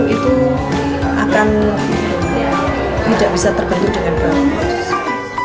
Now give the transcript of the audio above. itu akan tidak bisa terbentuk dengan bagus